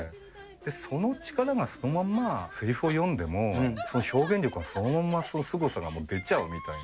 その力がそのまんませりふを読んでも、表現力のすごさがもう出ちゃうみたいな。